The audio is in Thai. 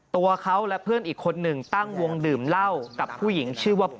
ทะเลาะกันกับผู้หญิง